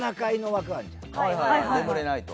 『眠れない』。